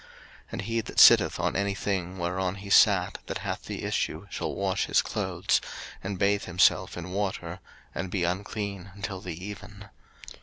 03:015:006 And he that sitteth on any thing whereon he sat that hath the issue shall wash his clothes, and bathe himself in water, and be unclean until the even.